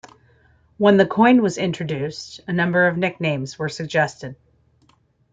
When the coin was introduced, a number of nicknames were suggested.